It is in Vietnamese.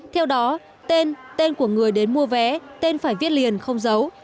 theo đó tên tên của người đến mua vé tên phải viết liền không giấu